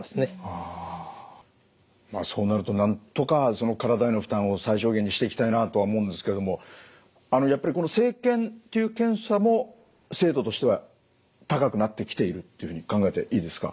そうなるとなんとか体への負担を最小限にしていきたいなとは思うんですけどもやっぱり生検という検査も精度としては高くなってきているっていうふうに考えていいですか？